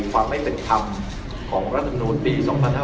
ความไม่เป็นคำของรัฐนวนปี๒๕๖๐